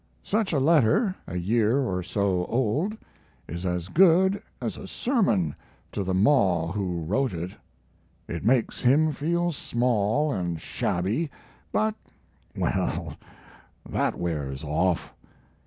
Such a letter a year or so old is as good as a sermon to the maw who wrote it. It makes him feel small and shabby, but well, that wears off.